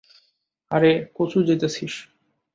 আরে, কচু জিতেছিস!